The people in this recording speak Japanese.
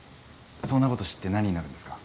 そんなこと知って何になるんですか？